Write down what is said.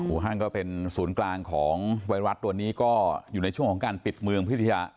ห้างก็เป็นศูนย์กลางของไวรัสตัวนี้ก็อยู่ในช่วงของการปิดเมืองพิทยา